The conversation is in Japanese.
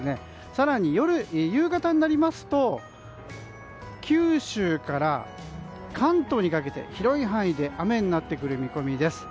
更に夕方になりますと九州から関東にかけて広い範囲で雨になってくる見込みです。